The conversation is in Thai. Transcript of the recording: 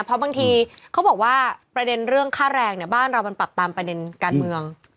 เพราะบางทีเขาบอกว่าประเด็นเรื่องค่าแรงเนี่ยบ้านเรามันปรับตามประเด็นการเมือง